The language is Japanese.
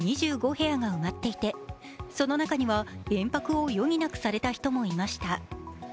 部屋が埋まっていてその中には連泊を余儀なくされた人もいました。